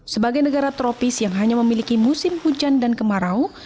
sebagai negara tropis yang hanya memiliki musim hujan dan kemarau